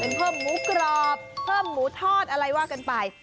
เพิ่มหมูกรอบเพิ่มหมูทอดอะไรว่ากันไป